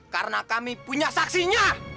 karena kami punya saksinya